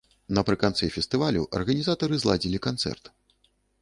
Напрыканцы фестывалю арганізатары зладзілі канцэрт.